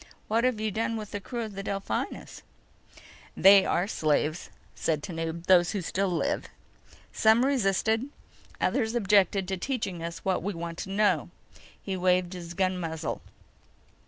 What have you done with the crew of the Delphinus?" "They are slaves," said Tanub. "Those who still live. Some resisted. Others objected to teaching us what we want to know." He waved the gun muzzle.